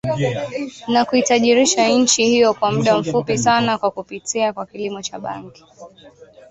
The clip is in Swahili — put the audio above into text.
na kuitajirisha nchi hiyo kwa mda mfupi sana kwa kupitia kwa kilimo cha bangi